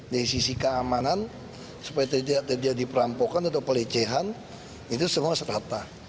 dari sisi keamanan supaya tidak terjadi perampokan atau pelecehan itu semua serata